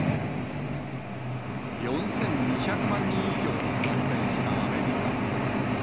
４２００万人以上が感染したアメリカ。